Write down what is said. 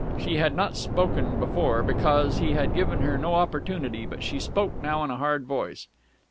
She had not spoken before, because he had given her no opportunity, but she spoke now in a hard voice.